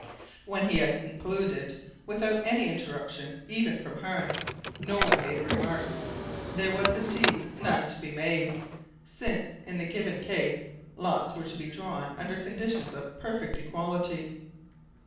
When he had concluded without any interruption even from Hearne no one made a remark. There was, indeed, none to be made, since, in the given case, lots were to be drawn under conditions of perfect equality.